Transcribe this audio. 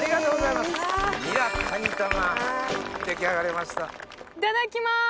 いただきます！